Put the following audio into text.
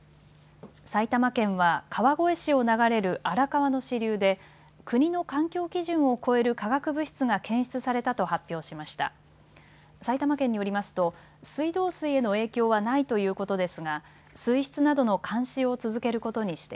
埼玉県は川越市を流れる荒川の支流で国の環境基準を超える化学物質が検出されたと発表しました。